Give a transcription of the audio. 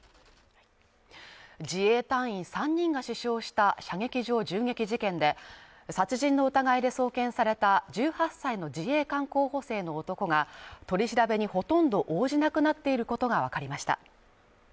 自衛隊員３人が死傷した射撃場銃撃事件で、殺人の疑いで送検された１８歳の自衛官候補生の男が取り調べにほとんど応じなくなっていることがわかりました。